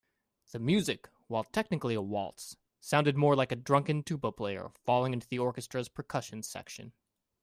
The music, while technically a waltz, sounded more like a drunken tuba player falling into the orchestra's percussion section.